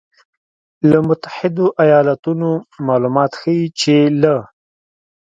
له متحدو ایالتونو مالومات ښیي چې له